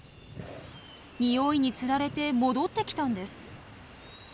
ニオイにつられて戻ってきたんです。